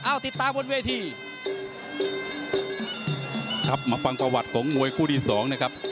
เอาติดตามบนเวทีครับมาฟังประวัติของมวยคู่ที่สองนะครับ